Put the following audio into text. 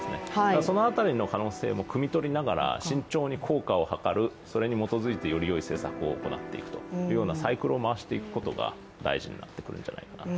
その辺りの可能性もくみ取りながら、慎重に効果をはかる、それに基づいてやっていくというサイクルを回していくことが大事になってくるんじゃないかなと。